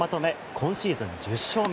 今シーズン１０勝目。